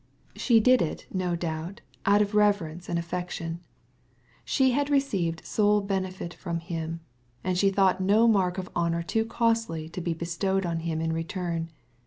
She did it, no doubt^ out of leverence and affec tion. She had received soul benefit from Him, and she thought no mark of honour too costly to be bestowed on Him in return.